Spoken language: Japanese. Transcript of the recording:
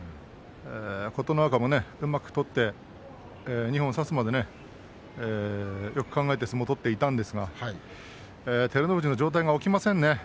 琴ノ若もうまく取って二本差すまでよく考えて相撲を取っていたんですが照ノ富士の上体が起きませんね。